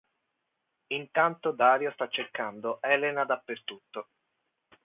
Intanto Dario sta cercando Elena dappertutto.